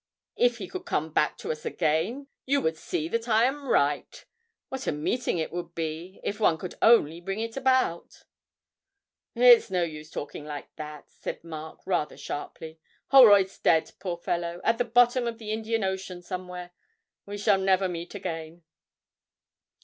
If he could come back to us again, you would see that I am right. What a meeting it would be, if one could only bring it about!' 'It's no use talking like that,' said Mark rather sharply. 'Holroyd's dead, poor fellow, at the bottom of the Indian Ocean somewhere. We shall never meet again.'